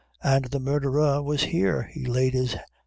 and the murdherer was here," he laid his!